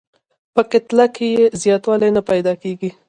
په کتله کې یې زیاتوالی نه پیدا کیږي.